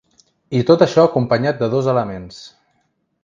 I tot això acompanyat de dos elements.